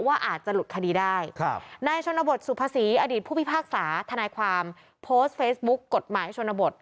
ว่าอาจจะหลุดคดีได้ครับนายชนบทสุภาษีอดีตผู้พิพากษาทนายความโพสต์เฟซบุ๊คกฎหมายชนบท